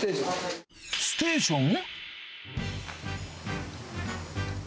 ステーション。